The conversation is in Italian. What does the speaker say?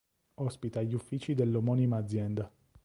Ospita gli uffici dell'omonima azienda.